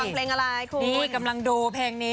เพลงอะไรคุณนี่กำลังดูเพลงนี้